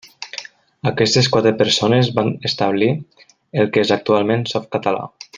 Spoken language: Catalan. Aquestes quatre persones van establir el que és actualment Softcatalà.